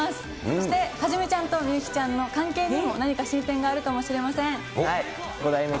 そして、はじめちゃんと美雪ちゃんの関係にも何か進展があるかもしれませ５代目